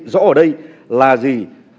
rõ ở đây là gì